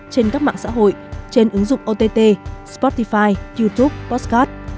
trên các mạng xã hội trên ứng dụng ott spotify youtube postcard